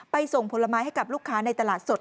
ส่งผลไม้ให้กับลูกค้าในตลาดสด